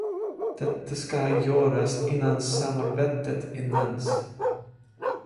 Detta ska göras innan samarbetet inleds.